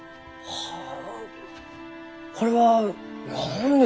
はあ。